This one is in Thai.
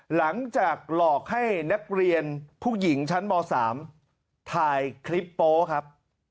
หลังจากหลอกให้นักเรียนผู้หญิงชั้นม๓ถ่ายคลิปโป๊ครับ